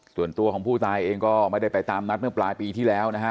ส่วนตัวของผู้ตายเองก็ไม่ได้ไปตามนัดเมื่อปลายปีที่แล้วนะฮะ